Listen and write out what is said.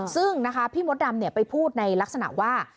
ซึ่งนะคะพี่มดดำไปพูดในลักษณะว่า